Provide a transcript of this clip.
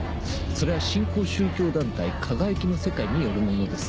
「それは新興宗教団体『かがやきの世界』によるものです」。